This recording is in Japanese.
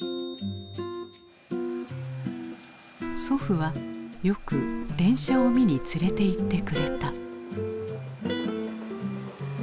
祖父はよく電車を見に連れていってくれた。